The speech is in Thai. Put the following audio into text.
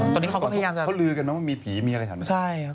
ตอนนี้เขาก็พยายามจะเขาลือกันไหมว่ามีผีมีอะไรแบบนี้